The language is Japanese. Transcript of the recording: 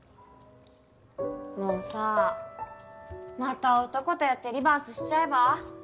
もうさまた男とやってリバースしちゃえば？